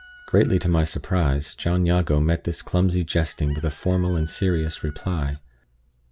Greatly to my surprise, John Jago met this clumsy jesting with a formal and serious reply.